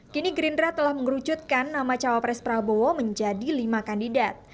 kini gerindra telah mengerucutkan nama cawapres prabowo menjadi lima kandidat